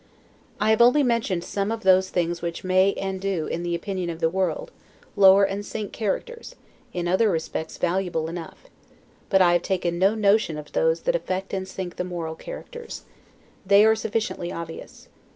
I have only mentioned some of those things which may, and do, in the opinion of the world, lower and sink characters, in other respects valuable enough, but I have taken no notice of those that affect and sink the moral characters. They are sufficiently obvious.